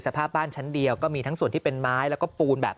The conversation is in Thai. สภาพบ้านชั้นเดียวก็มีทั้งส่วนที่เป็นไม้แล้วก็ปูนแบบ